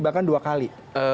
bahkan dua kali